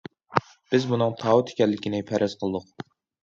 بىز بۇنىڭ تاۋۇت ئىكەنلىكىنى پەرەز قىلدۇق.